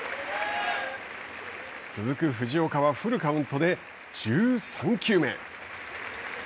続く藤岡はフルカウントで１３球目。